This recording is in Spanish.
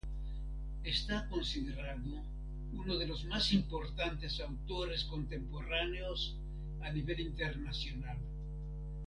Está considerado uno de los más importantes autores contemporáneos a nivel internacional.